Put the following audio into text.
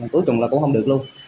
cuối cùng là cũng không được luôn